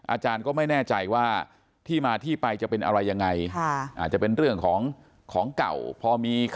อาจารย์ก็ไม่แน่ใจว่าที่มาที่ไปจะเป็นอะไรยังไง